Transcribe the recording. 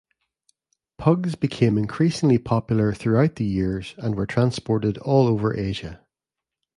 Pugs became increasingly popular throughout the years and were transported all over Asia.